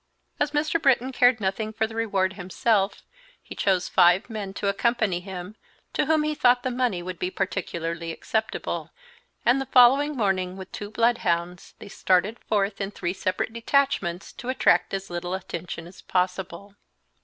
As Mr. Britton cared nothing for the reward himself, he chose five men to accompany him to whom he thought the money would be particularly acceptable, and the following morning, with two blood hounds, they started forth in three separate detachments to attract as little attention as possible.